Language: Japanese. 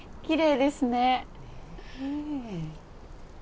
きれいですね。ねぇ。